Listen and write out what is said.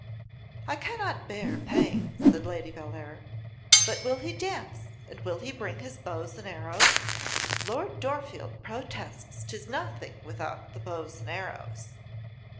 'I cannot bear paying,' said Lady Bellair. 'But will he dance, and will he bring his bows and arrows? Lord Dorfield protests 'tis nothing without the bows and arrows.